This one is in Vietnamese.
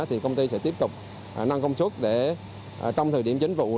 thì công ty sẽ tiếp tục nâng công suất để trong thời điểm chính vụ